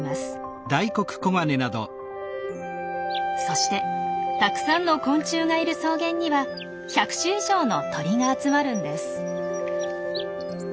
そしてたくさんの昆虫がいる草原には１００種以上の鳥が集まるんです。